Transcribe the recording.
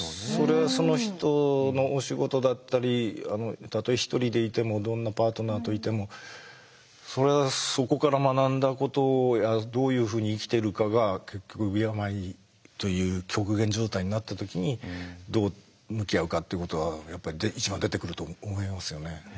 その人のお仕事だったりたとえ一人でいてもどんなパートナーといてもそれはそこから学んだことやどういうふうに生きてるかが結局病という極限状態になった時にどう向き合うかってことはやっぱり一番出てくると思いますよね。